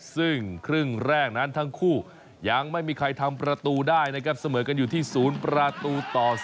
ซึ่งครึ่งแรกนั้นทั้งคู่ยังไม่มีใครทำประตูได้นะครับเสมอกันอยู่ที่๐ประตูต่อ๐